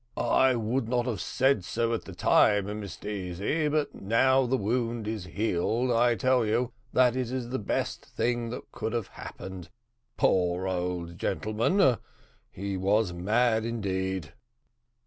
"I would not have said so at the time, Mr Easy, but now the wound is healed, I tell you that it is the best thing that could have happened poor old gentleman! he was mad, indeed."